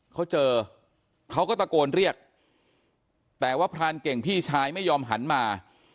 เขาเจอเขาก็ตะโกนเรียกแต่ว่าพรานเก่งพี่ชายไม่ยอมหันมา